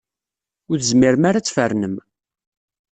Ur tezmirem ara ad tfernem.